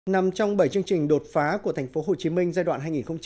nằm trong bảy chương trình đột phá của tp hcm giai đoạn hai nghìn một mươi sáu hai nghìn hai mươi